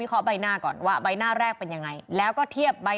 เขาใบหน้าก่อนว่าใบหน้าแรกเป็นยังไงแล้วก็เทียบใบ